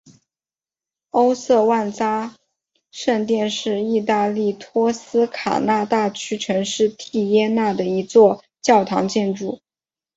欧瑟万扎圣殿是义大利托斯卡纳大区城市锡耶纳的一座教堂建筑。